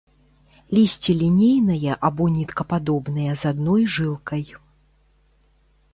Лісце лінейнае або ніткападобнае з адной жылкай.